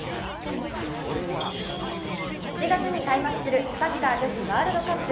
７月に開幕するサッカー女子ワールドカップ。